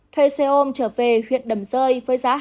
thuê xe ôm trở về huyện đầm rơi với giá hai đồng